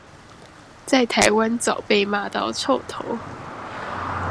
在台灣早被罵到臭頭